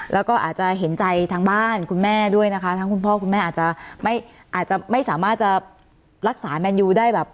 แล้วก็อาจจะเห็นใจทางบ้านคุณแม่ด้วยนะคะทั้งคุณพ่อคุณแม่อาจจะไม่อาจจะไม่สามารถจะรักษาแมนยูได้แบบ